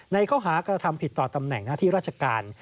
ในข้อหากระทำผิดต่อตำแหน่งหน้าที่ราชการ